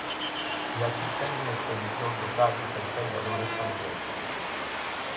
E aquí teñen a expedición do Cádiz en Peinador esta mañá.